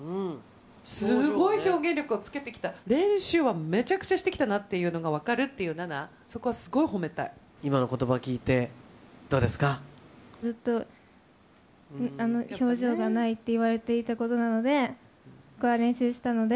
すごい表現力をつけてきた、練習はめちゃくちゃしてきたなっていうのが分かるっていうナナ、今のことば聞いて、ずっと表情がないって言われていたことなので、そこは練習したので。